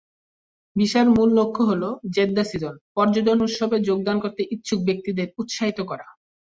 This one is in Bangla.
ভিসার মূল লক্ষ্য হল "জেদ্দা সিজন" পর্যটন উৎসবে যোগদান করতে ইচ্ছুক ব্যক্তিদের উৎসাহিত করা।